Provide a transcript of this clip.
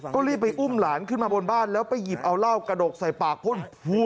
ก็รีบไปอุ้มหลานขึ้นมาบนบ้านแล้วไปหยิบเอาเหล้ากระดกใส่ปากพ่น